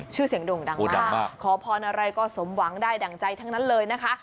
ชื่อเสียงโด่งดังมากขอพรอะไรก็สมหวังได้ดั่งใจทั้งนั้นเลยนะคะ